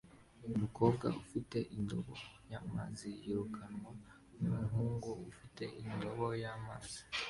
Umukobwa ufite indobo y'amazi yirukanwa numuhungu ufite indobo y'amazi